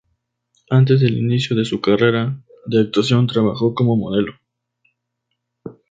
Antes del inicio de su carrera de actuación trabajó como modelo.